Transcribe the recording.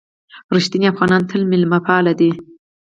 رښتیني افغانان تل مېلمه پالي دي.